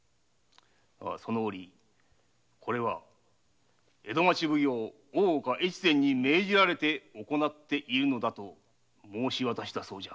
その折「これは大岡越前に命じられて行っている」と申し渡したそうだ。